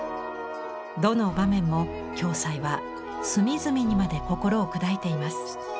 どの場面も暁斎は隅々にまで心を砕いています。